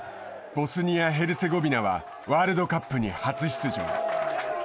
ボスニア・ヘルツェゴビナは、ワールドカップに初出場。